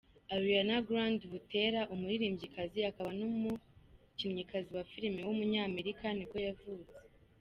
Ariana Grande Butera, umuririmbyikazi akaba n’umukinnyikazi wa filime w’umunyamerika nibwo yavutse.